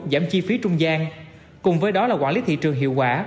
giảm chi phí trung gian cùng với đó là quản lý thị trường hiệu quả